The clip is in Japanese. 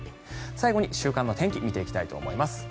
最後に週間の天気を見ていきたいと思います。